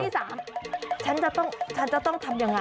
คนที่๓ฉันจะต้องทำยังไง